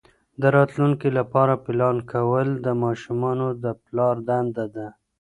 د راتلونکي لپاره پلان کول د ماشومانو د پلار دنده ده.